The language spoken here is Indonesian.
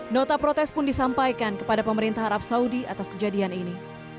nota protes pun disampaikan kepada pemerintah arab saudi atas kejadian ini